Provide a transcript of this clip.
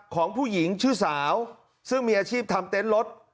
ของผู้หญิงชื่อสาวซึ่งมีอาชีพทำเต็นต์รถ